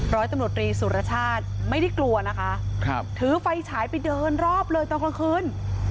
ร้อยตำรวจรีสุรชาติไม่ได้กลัวนะคะถือไฟฉายไปเดินรอบเลยตอนกลางคืน